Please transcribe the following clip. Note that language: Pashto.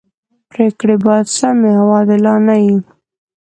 پریکړي باید سمي او عادلانه يي.